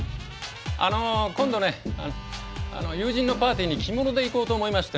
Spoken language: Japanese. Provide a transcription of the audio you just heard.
あの今度ね友人のパーティーに着物で行こうと思いましてね。